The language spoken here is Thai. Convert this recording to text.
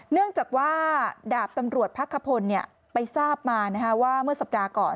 เนื่องจากว่าดาบตำรวจพักขพลไปทราบมาว่าเมื่อสัปดาห์ก่อน